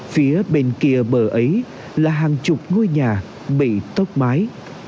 phía bên kia bờ ấy là hàng chục ngôi nhà bị tốc mái